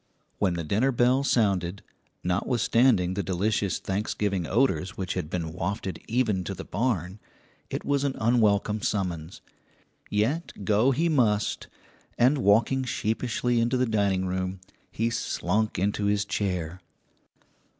When the dinner bell sounded, notwithstanding the delicious Thanksgiving odours which had been wafted even to the barn, it was an unwelcome summons; yet go he must, and walking sheepishly into the dining room, he slunk into his chair.